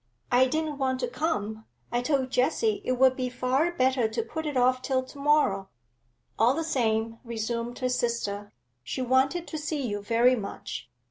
I didn't want to come; I told Jessie it would be far better to put it off till to morrow ' 'All the same,' resumed her sister, 'she wanted to see you very much.